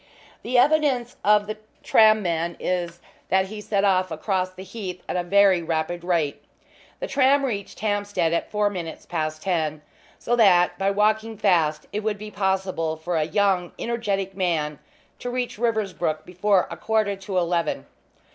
The evidence of the tram men is that he set off across the Heath at a very rapid rate. The tram reached Hampstead at four minutes past ten, so that, by walking fast, it would be possible for a young energetic man to reach Riversbrook before a quarter to eleven.